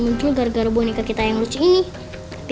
masa cuma gara gara boneka aja hantu jadi marah